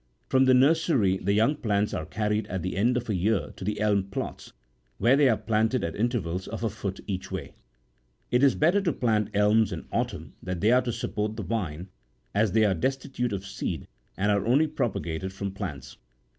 From the nursery the young plants are carried at the end of a year to the elm plots, where they are planted at inter vals of a foot each way. It is better to plant elms in autumn that are to support the vine, as they are destitute 59 of seed and are only propagated from plants.